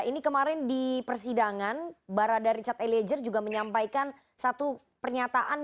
ini kemarin di persidangan barada richard eliezer juga menyampaikan satu pernyataan